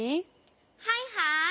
はいはい！